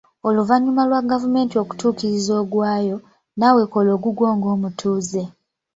Oluvannyuma lwa gavumenti okutuukiriza ogwayo, naawe kola ogugwo ng'omutuuze.